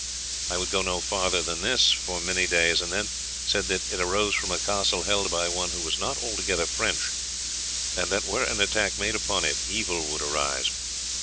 I would go no further than this for many days, and then said that it arose from a castle held by one who was not altogether French, and that were an attack made upon it evil would arise.